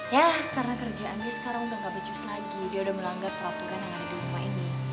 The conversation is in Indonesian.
ya karena kerjaannya sekarang udah gak becus lagi dia udah melanggar peraturan yang ada di rumah ini